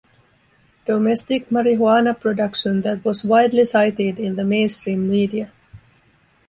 Domestic Marijuana Production that was widely cited in the mainstream media.